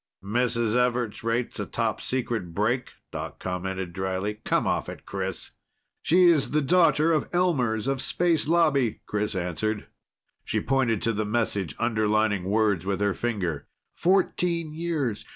"Mrs. Everts rates a topsecret break?" Doc commented dryly. "Come off it, Chris!" "She's the daughter of Elmers of Space Lobby!" Chris answered. She pointed to the message, underlining words with her finger. "_Fourteen years.